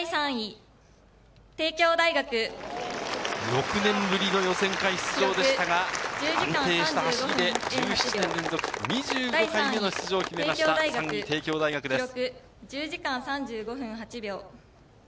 ６年ぶりの予選会出場でしたが、安定した走りで１７年連続２５回目の出場を決めました、３位、帝京大学です。